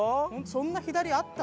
そんな左あった？